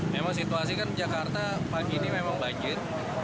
memang situasi kan jakarta pagi ini memang banjir